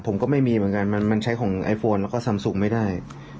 ผมก็ไม่มีเหมือนกันมันใช้ของไอโฟนแล้วก็ซำสูงไม่ได้